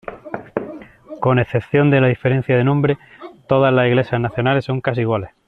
Con excepción de la diferencia de nombre, todas las iglesias nacionales son casi iguales.